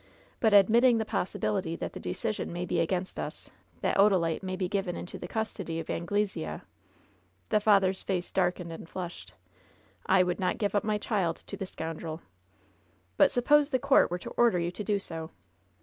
But admitting the possibility that the decision may be against us — that Odalite may be given into the custody of Anglesea ^" The father's face darkened and flushed. 'T! would not give my child up to the scoimdrel !" "But suppose the court were to order you to do so?"